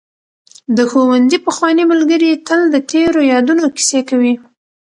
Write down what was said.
د ښوونځي پخواني ملګري تل د تېرو یادونو کیسې کوي.